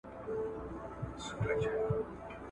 په رسنیو کي باید د نفرت خپرولو مخه ونیول سي.